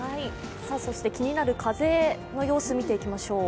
そして気になる風の様子、見ていきましょう。